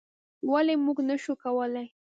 ولې موږ نشو کولی؟